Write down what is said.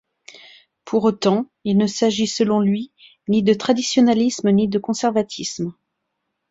Pour autant, il ne s'agit selon lui ni de traditionalisme ni de conservatisme.